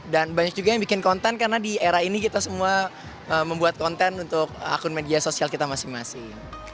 dan banyak juga yang bikin konten karena di era ini kita semua membuat konten untuk akun media sosial kita masing masing